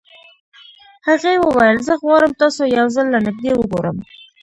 هغې وويل زه غواړم تاسو يو ځل له نږدې وګورم.